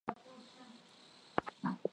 safisha viazi lishe